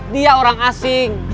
dia orang asing